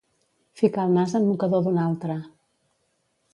Ficar el nas en mocador d'un altre.